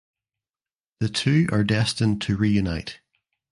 The two are destined to reunite.